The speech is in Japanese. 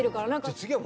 次は。